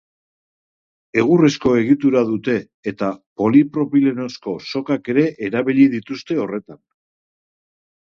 Egurrezko egitura dute, eta polipropilenozko sokak ere erabili dituzte horretan.